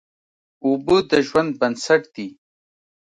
اوبه د ژوند بنسټ دي.